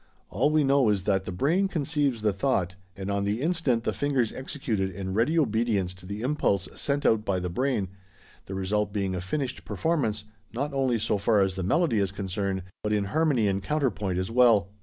All we know is that the brain conceives the thought, and on the instant the fingers execute it in ready obedience to the impulse sent out by the brain, the result being a finished performance, not only so far as the melody is concerned, but in harmony and counterpoint as well.